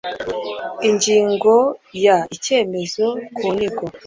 ingingo ya icyemezo ku nyigo